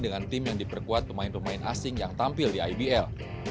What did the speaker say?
dengan tim yang diperkuat pemain pemain asing yang tampil di ibl